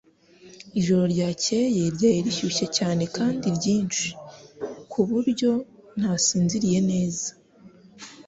Ijoro ryakeye ryari rishyushye cyane kandi ryinshi, ku buryo ntasinziriye neza.